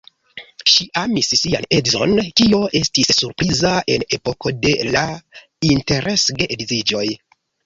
Ŝi amis sian edzon, kio estis surpriza en epoko de la interes-geedziĝoj.